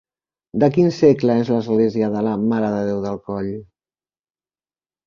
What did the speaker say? De quin segle és l'església de la Mare de Déu del Coll?